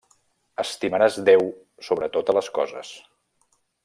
Estimaràs Déu sobre totes les coses.